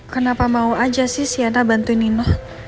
kenapa mau aja sih siana bantuin nino